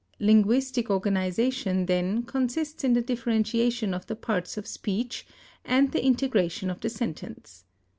Linguistic organization, then, consists in the differentiation of the parts of speech and the integration of the sentence.